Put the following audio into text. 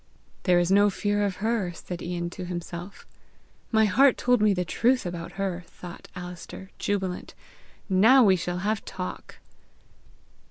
"There is no fear of her!" said Ian to himself. "My heart told me the truth about her!" thought Alister jubilant. "Now we shall have talk!"